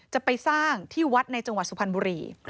จะไปสร้างที่วัดในจังหวัดสุพรรณบุรี